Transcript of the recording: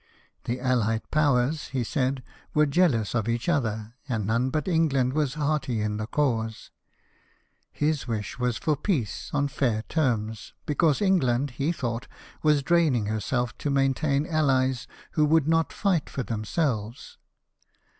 "The allied Powers," he said, "were jealous of each other, and none but England was hearty in the cause." His wish was for peace, on fan terms, because England, he thought, was draining herself to maintain allies who would not fight for themselves.